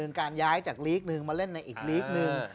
การย้ายจากลีกหนึ่งมาเล่นในอีกลีกหนึ่ง